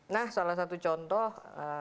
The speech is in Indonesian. nah salah satu contoh